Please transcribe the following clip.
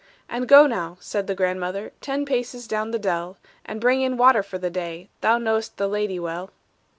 "And go now," said the grandmother, "Ten paces down the dell, And bring in water for the day, Thou know'st the lady well."